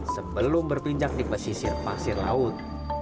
sebelum berpijak di pesisir pasir laut